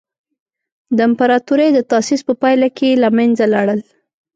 د امپراتورۍ د تاسیس په پایله کې له منځه لاړل.